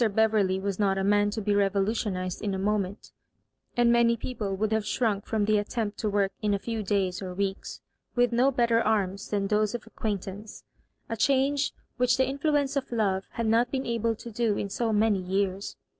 Beverley was not a man to be revolutionised in a moment; and many people would have shrunk from the attempt to work in a few days or weeks, with no belter arms than those of acquaintance, a change which the influ ence of love had not been able to do in so many years.